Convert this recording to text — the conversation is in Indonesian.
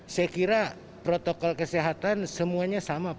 saya kira protokol kesehatan semuanya sama pak